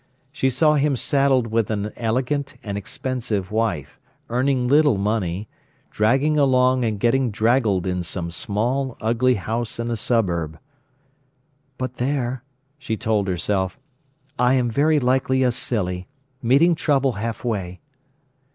She saw him saddled with an elegant and expensive wife, earning little money, dragging along and getting draggled in some small, ugly house in a suburb. "But there," she told herself, "I am very likely a silly—meeting trouble halfway."